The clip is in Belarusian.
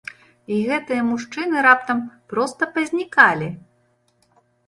І гэтыя мужчыны раптам проста пазнікалі!